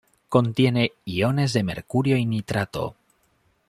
Contiene iones de mercurio y nitrato.